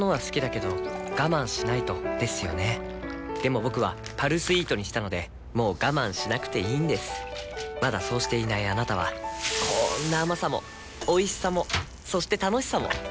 僕は「パルスイート」にしたのでもう我慢しなくていいんですまだそうしていないあなたはこんな甘さもおいしさもそして楽しさもあちっ。